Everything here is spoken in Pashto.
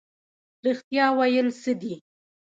رښتیا ویل څه دي؟